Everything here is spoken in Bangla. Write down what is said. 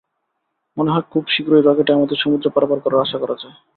মনে হয় খুব শীঘ্রই রকেটে আমাদের সমুদ্র পারাপার করার আশা করা যায়।